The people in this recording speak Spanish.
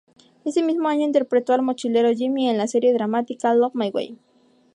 Ese mismo año interpretó al mochilero Jimmy en la serie dramática Love My Way.